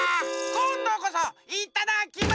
こんどこそいただきま。